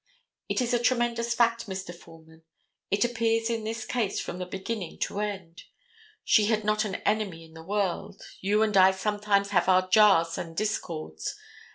It is a tremendous fact, Mr. Foreman. It appears in this case from the beginning to end. She had not an enemy in the world. You and I sometimes have our jars and discords.